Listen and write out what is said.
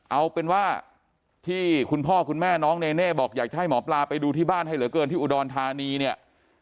เอาเป็นว่าที่คุณพ่อคุณแม่น้องเนเน่บอกอยากจะให้หมอปลาไปดูที่บ้านให้เหลือเกินที่อุดรธานีเนี่ย